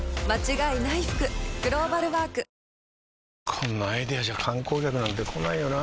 こんなアイデアじゃ観光客なんて来ないよなあ